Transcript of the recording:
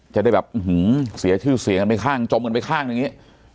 จะได้แบบเสียชื่อเสียงกันไปข้างจมกันไปข้างหนึ่งอย่างนี้